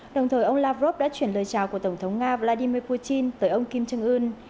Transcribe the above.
đồng thời ông lavrov đã chuyển lời chào của tổng thống nga vladimir putin tới ông kim jong un